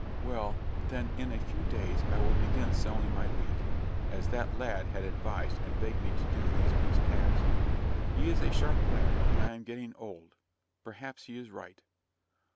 "Well, then, in a few days I will begin selling my wheat, as that lad has advised and begged me to do these weeks past. He is a sharp lad, and I am getting old. Perhaps he is right."